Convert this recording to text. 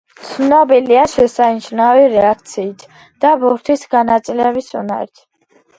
ცნობილია შესანიშნავი რეაქციით და ბურთის განაწილების უნარით.